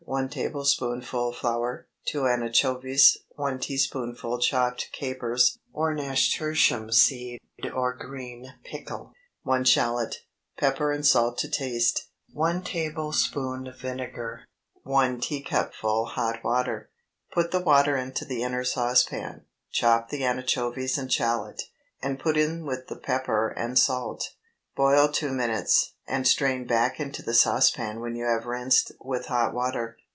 1 tablespoonful flour. 2 anchovies. 1 teaspoonful chopped capers, or nasturtium seed, or green pickle. 1 shallot. Pepper and salt to taste. 1 tablespoonful vinegar. 1 teacupful hot water. Put the water into the inner saucepan, chop the anchovies and shallot, and put in with the pepper and salt. Boil two minutes, and strain back into the saucepan when you have rinsed with hot water.